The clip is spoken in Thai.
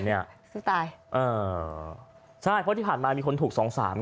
เพราะที่ผ่านมามีคนถูก๒๓